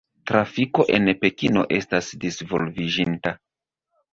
Trafiko en Pekino estas disvolviĝinta.